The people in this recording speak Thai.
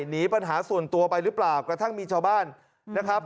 หนีปัญหาส่วนตัวไปหรือเปล่ากระทั่งมีชาวบ้านนะครับ